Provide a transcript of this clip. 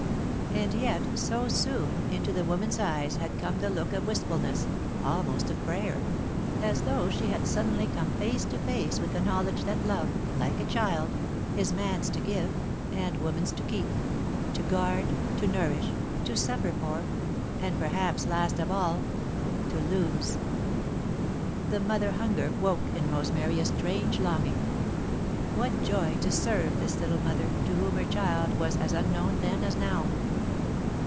And yet, so soon, into the woman's eyes had come the look of wistfulness, almost of prayer, as though she had suddenly come face to face with the knowledge that love, like a child, is man's to give and woman's to keep, to guard, to nourish, to suffer for, and, perhaps, last of all, to lose. The mother hunger woke in Rosemary a strange longing. What joy to serve this little mother, to whom her child was as unknown then as now!